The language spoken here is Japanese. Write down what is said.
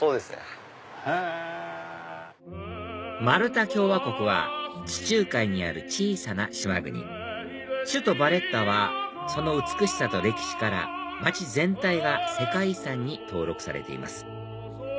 マルタ共和国は地中海にある小さな島国首都ヴァレッタはその美しさと歴史から街全体が世界遺産に登録されています